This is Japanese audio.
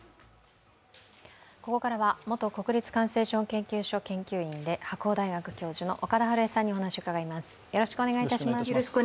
ここからは元国立感染症研究所研究員で白鴎大学教授の岡田晴恵さんにお話を伺います。